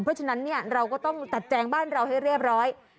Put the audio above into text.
เพราะฉะนั้นเนี่ยเราก็ต้องจัดแจงบ้านเราให้เรียบร้อย